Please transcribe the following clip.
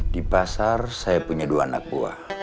di pasar saya punya dua anak buah